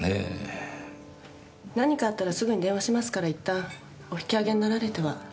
何かあったらすぐに電話しますからいったんお引き揚げになられては？